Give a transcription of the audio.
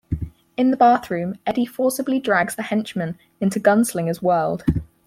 In the bathroom, Eddie forcibly drags the henchman into the Gunslinger's world.